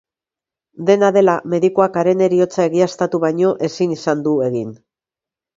Dena dela, medikuak haren heriotza egiaztatu baino ezin izan du egin.